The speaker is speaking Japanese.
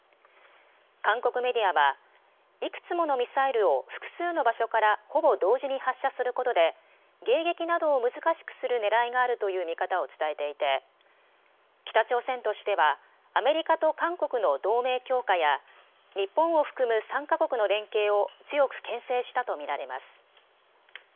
韓国メディアはいくつものミサイルを複数の場所からほぼ同時に発射することで迎撃などを難しくするねらいがあるという見方を伝えていて北朝鮮としてはアメリカと韓国の同盟強化や日本を含む３か国の連携を強くけん制したと見られます。